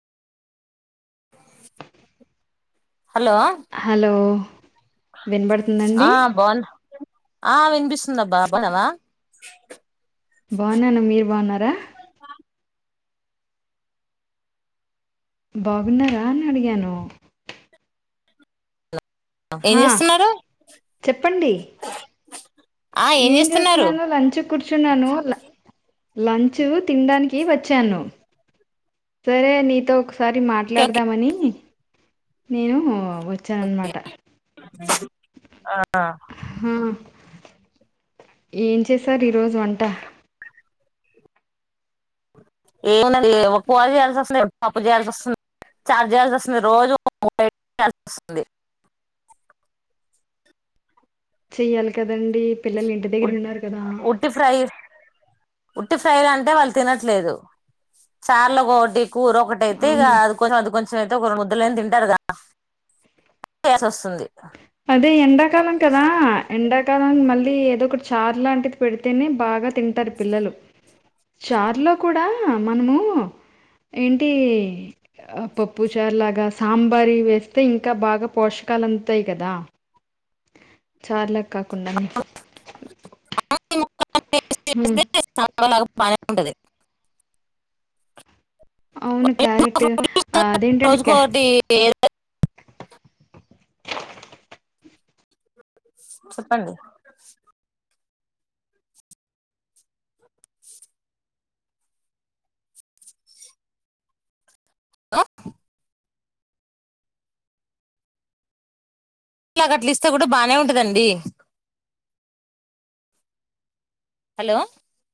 hello hello వినబడుతుందండి ఆ బాగున్నా ఆ వినిపిస్తుందబ్బా బాన్నావా బాన్నాను మీరు బాన్నారా బాగున్నారా అని అడిగాను ఏం హా చేస్తున్నారు చెప్పండి ఆ ఏం చేస్తున్నారు చేస్తున్నాను లంచ్ కి కూర్చున్నాను లంచు తినడానికి వచ్చాను సరే నీతో ఒకసారి మాట్లాడదామని నేను వచ్చానన్నమాట ఆ హా, ఏం చేసారు ఈరోజు వంట ఏమున్నది కుర్ర చేయాల్సి అసలే పప్పు చేయాల్సి వస్తుంది చారు చేయాల్సి వస్తుంది రోజు చేయాల్సి వస్తుంది చెయ్యాలి కదండీ పిల్లలు ఇంటి దగ్గర ఉన్నారు కదా ఉట్టి ఫ్రై అంటే వాళ్ళు తినట్లేదు చార్లు ఒకటి కూర ఒకటి టీ అయితే ఇక అవును అది కొంచం అది కొంచం అయితే ఒక రెండు ముదులుని తింటారు కదా అందుకు చేయాల్సి వస్తుంది అదే ఎండాకాలం కదా ఎండాకాలం మళ్ళీ ఏదో ఒకటి చార్ లాంటిది పెడితేనే బాగా తింటారు పిల్లలు చార్ లో కూడా మనము ఏంటి పప్పు చారులాగా సాంబార వేస్తే ఇంకా బాగా పోషక కాలు అందుతాయి కదా చార్ లాగ కాకుండానీ [unintelligible] ఉమ్ [unintelligible] బానే ఉంటది అవును క్యారెట్ ఆ అదేంటండి రోజుకోటి [inaudible] చెప్పండి ఆ ఇలాగట్లిస్తే గూడా బానే ఉంటదండి హలో